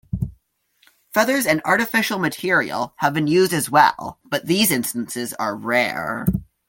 Feathers and artificial material have been used as well, but these instances are rare.